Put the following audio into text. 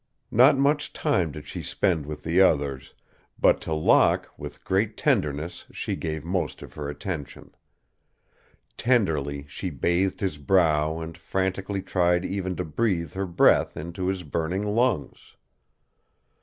Not much time did she spend with the others, but to Locke with great tenderness she gave most of her attention. Tenderly she bathed his brow and frantically tried even to breathe her breath into his burning lungs.